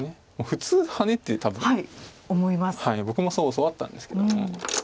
普通ハネって多分僕もそう教わったんですけども。